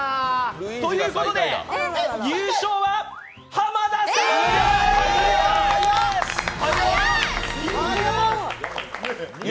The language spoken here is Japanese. ということで、優勝は濱田さんでーす！